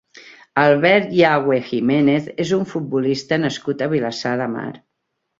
Albert Yagüe Jiménez és un futbolista nascut a Vilassar de Mar.